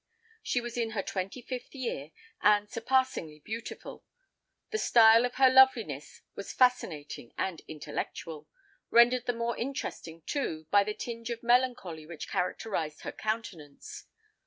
She was in her twenty fifth year, and surpassingly beautiful:—the style of her loveliness was fascinating and intellectual—rendered the more interesting, too, by the tinge of melancholy which characterised her countenance.